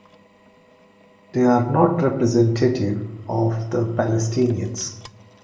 They are not representative of the Palestinians.